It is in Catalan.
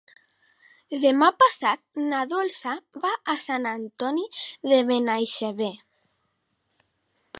Demà passat na Dolça va a Sant Antoni de Benaixeve.